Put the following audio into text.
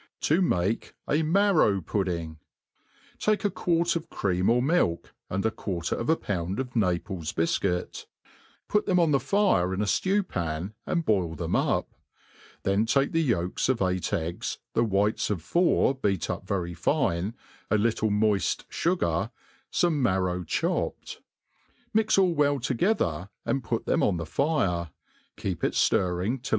Td mate a Marrow Pudding. TAtCE a ()uarc of cream or milk, and a quarter of a pound of Naples bifcuit, put them on the fire in a ftew pan, and boil them up ; then take the yolks of eight eggs, the whites of four beat up very fine, a little moid fugar, fome marrow chop* ped ; mix all well together, and put them on the fire^ keep it Sirring til!